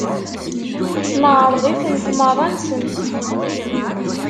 Neεreḍ-itent merra-nsent.